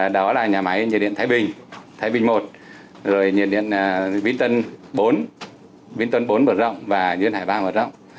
đó là nhà máy nhiệt điện thái bình thái bình một rồi nhiệt điện vĩnh tân bốn vĩnh tân bốn vật rộng và nguyên hải ba vật rộng